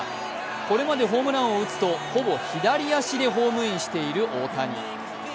これまでホームランを打つとほぼ左足でホームインしている大谷。